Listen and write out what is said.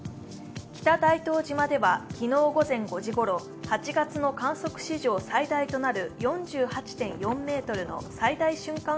北大東島では昨日午前５時ごろ８月の観測史上最大となる４８．４メートルの最大瞬間